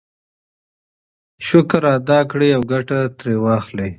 شکر ادا کړئ او ګټه ترې واخلئ.